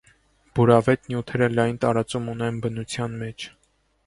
Բուրավետ նյութերը լայն տարածում ունեն բնության մեջ։